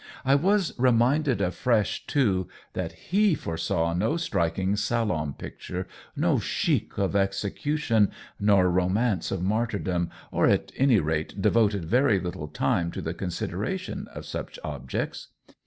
I was reminded afresh too that he foresaw no striking salon picture, no chic of execution nor romance of martyrdom, or at any rate devoted very little time to the considera tion of such objects.